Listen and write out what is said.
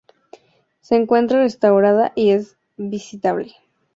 Se encuentra restaurada y es visitable.